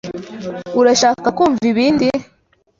Urashaka kumva ibindi?